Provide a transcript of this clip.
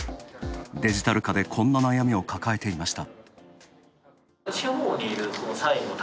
デジタル化でこんな悩みを抱えていました。